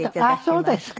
あっそうですか？